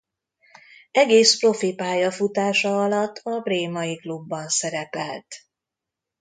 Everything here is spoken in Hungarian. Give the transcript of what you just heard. Egész profi pályafutása alatt a brémai klubban szerepelt.